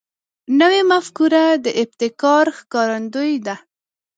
نوې مفکوره د ابتکار ښکارندوی ده